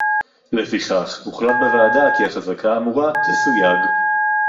לפיכך הוחלט בוועדה כי החזקה האמורה תסויג